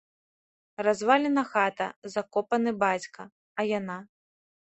Развалена хата, закопаны бацька, а яна?